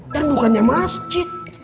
dan bukannya masjid